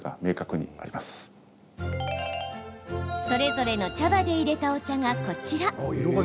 それぞれの茶葉でいれたお茶がこちら。